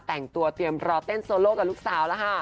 แต่งตัวเตรียมรอเต้นโซโลกับลูกสาวแล้วค่ะ